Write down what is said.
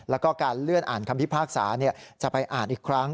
แล้วก็การเลื่อนอ่านคำพิพากษาจะไปอ่านอีกครั้ง